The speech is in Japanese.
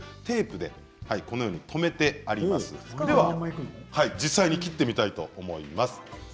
では実際に切ってみたいと思います。